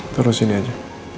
terus ini aja